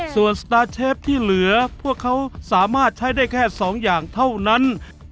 ส่วนสตาร์เชฟที่เหลือพวกเขาสามารถใช้ได้แค่๒อย่างเท่านั้น